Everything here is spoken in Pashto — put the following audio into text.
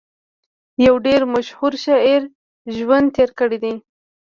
يو ډېر مشهور شاعر ژوند تېر کړی دی